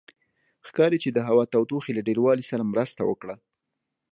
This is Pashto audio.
ښکاري چې د هوا تودوخې له ډېروالي سره مرسته وکړه.